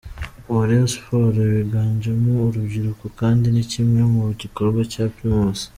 uwa Rayons Sports biganjemo urubyiruko kandi ni kimwe mu gikorwa cya Primus.